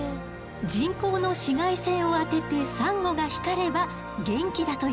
人工の紫外線を当ててサンゴが光れば元気だという証しよ。